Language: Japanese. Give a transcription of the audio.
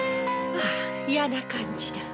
ああ嫌な感じだ。